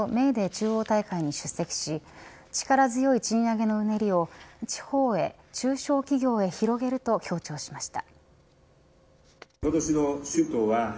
中央大会に出席し力強い賃上げのうねりを地方へ中小企業へ広げると強調しました。